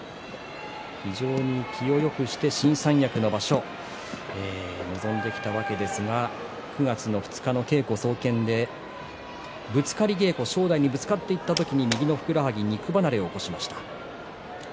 非常に気をよくして新三役の場所臨んできたわけですが９月２日の稽古総見でぶつかり稽古正代にぶつかっていった時に右のふくらはぎ肉離れを起こしました。